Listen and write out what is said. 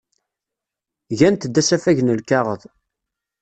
Gant-d asafag n lkaɣeḍ.